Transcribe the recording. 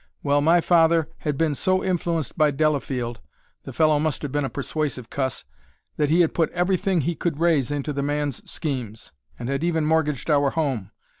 Well, my father had been so influenced by Delafield the fellow must have been a persuasive cuss that he had put everything he could raise into the man's schemes, and had even mortgaged our home.